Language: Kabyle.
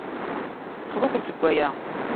Xḍu-kem seg aya.